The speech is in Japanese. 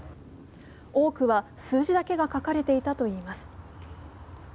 多くは、数字だけが書かれていたといいます。